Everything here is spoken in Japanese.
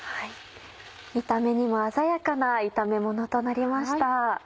見た目にも鮮やかな炒めものとなりました。